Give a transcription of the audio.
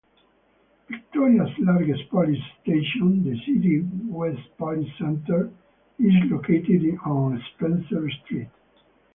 Victoria's largest police station, the City West Police Centre, is located on Spencer Street.